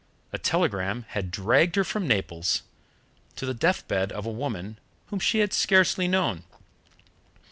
A telegram had dragged her from Naples to the death bed of a woman whom she had scarcely known.